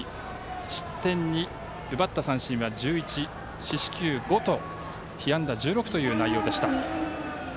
失点２、奪った三振は１１四死球５被安打１６という内容でした。